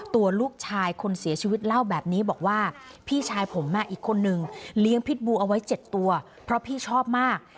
ตัวลูกชายคนเสียชีวิตเล่าแบบนี้บอกว่าพี่ชายผมอีกคนนึงเลี้ยงพิษบูเอาไว้๗ตัวเพราะพี่ชอบมาก